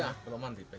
iya belum mandi pak